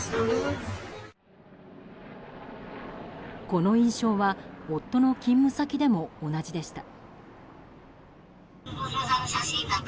この印象は夫の勤務先でも同じでした。